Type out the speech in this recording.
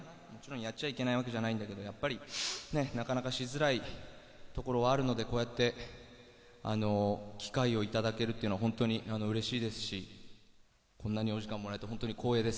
やっちゃいけないわけじゃないんだけど、なかなかしづらいところがあるのでこうやって機会をいただけるっていうのは本当にうれしいですしこんなにお時間もらえて、本当に光栄です。